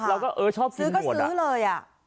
เราก็เออชอบกินหมวดอะซื้อก็ซื้อเลยอะ